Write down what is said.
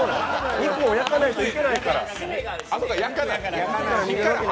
肉を焼かないといけないから。